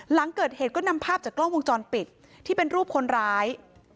หลังเกิดเหตุก็นำภาพจากกล้องวงจรปิดที่เป็นรูปคนร้าย